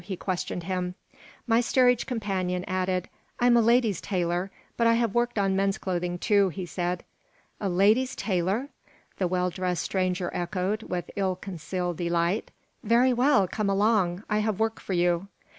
he questioned him My steerage companion nodded. "I'm a ladies' tailor, but I have worked on men's clothing, too," he said "A ladies' tailor?" the well dressed stranger echoed, with ill concealed delight. "Very well; come along. I have work for you."